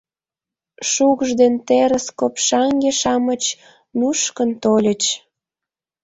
Шукш ден терыс копшаҥге-шамыч нушкын тольыч.